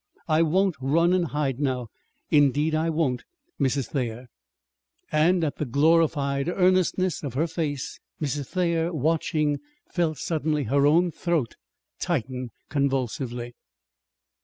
I won't run and hide now, indeed, I won't, Mrs. Thayer!" And at the glorified earnestness of her face, Mrs. Thayer, watching, felt suddenly her own throat tighten convulsively.